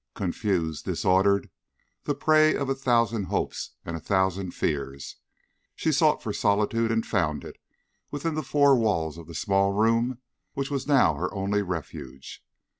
Confused, disordered, the prey of a thousand hopes and a thousand fears, she sought for solitude and found it within the four walls of the small room which was now her only refuge.